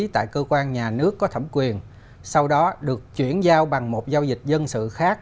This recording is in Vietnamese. tại cơ quan nhà nước có thẩm quyền sau đó được chuyển giao bằng một giao dịch dân sự khác